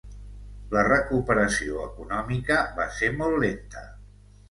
La recuperació econòmica va ser molt lenta.